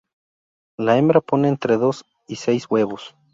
La hembra pone entre dos y seis huevos.